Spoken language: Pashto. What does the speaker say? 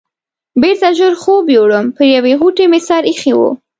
بېرته ژر خوب یووړم، پر یوې غوټې مې سر ایښی و.